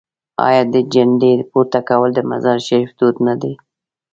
آیا د جنډې پورته کول د مزار شریف دود نه دی؟